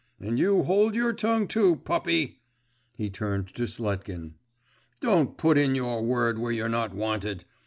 And you hold your tongue too, puppy!' he turned to Sletkin; 'don't put in your word where you're not wanted!